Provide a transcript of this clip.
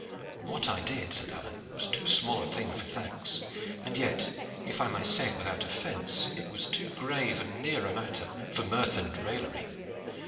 "What I did," said Alleyne, "was too small a thing for thanks; and yet, if I may say it without offence, it was too grave and near a matter for mirth and raillery.